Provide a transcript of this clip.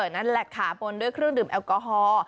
นั่นแหละขาปนด้วยเครื่องดื่มแอลกอฮอล์